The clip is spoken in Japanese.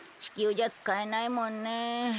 地球じゃ使えないもんね。